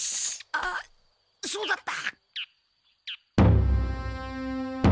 ああそうだった。